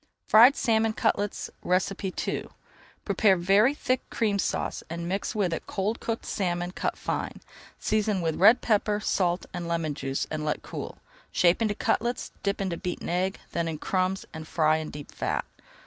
FRIED SALMON CUTLETS II Prepare very thick Cream Sauce and mix with it cold cooked salmon cut fine. Season with red pepper, salt, and lemon juice and let [Page 276] cool. Shape into cutlets, dip into beaten egg, then in crumbs, and fry in deep fat.